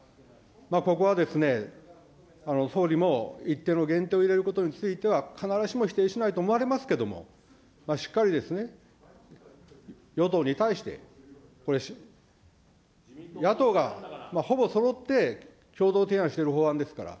ここはですね、総理も一定の限定を入れることについては必ずしも否定しないとは思われますけれども、しっかりですね、与党に対して、これ、野党がほぼそろって共同提案している法案ですから。